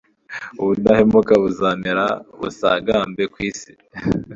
Ubudahemuka buzamera busagambe ku isi